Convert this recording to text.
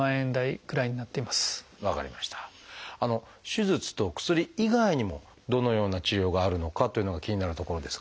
手術と薬以外にもどのような治療があるのかというのが気になるところですが。